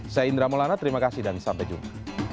saya indra maulana terima kasih dan sampai jumpa